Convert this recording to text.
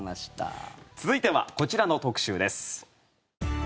続いてはこちらの特集です。